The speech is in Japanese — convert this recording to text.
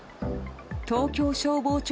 東京消防庁